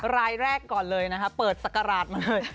รายแรกก่อนเลยนะคะเปิดศักราชมาเลย